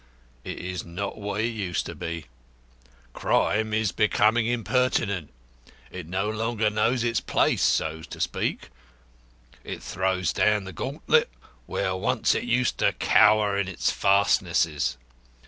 It is not what it used to be. Crime is becoming impertinent. It no longer knows its place, so to speak. It throws down the gauntlet where once it used to cower in its fastnesses.